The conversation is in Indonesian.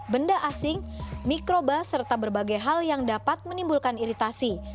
benda asing mikroba serta berbagai hal yang dapat menimbulkan iritasi